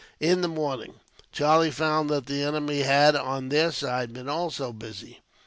In the morning, Charlie found that the enemy had, on their side, been also busy.